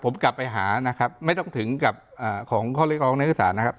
ผมกลับไปหานะครับไม่ต้องถึงกับของข้อเรียกร้องนักศึกษานะครับ